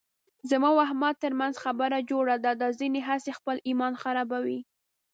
زما او د احمد ترمنځ خبره جوړه ده، دا ځنې هسې خپل ایمان خرابوي.